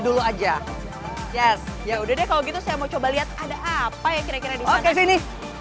dulu aja ya udah deh kalau gitu saya mau coba lihat ada apa ya kira kira di sini